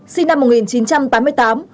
sinh năm một nghìn chín trăm tám mươi tám